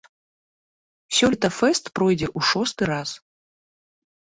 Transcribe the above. Сёлета фэст пройдзе ў шосты раз.